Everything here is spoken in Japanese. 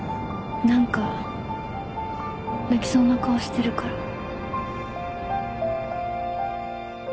何か泣きそうな顔してるから。